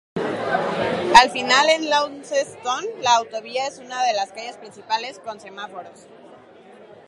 Al final en Launceston, la autovía es una de las calles principales con semáforos.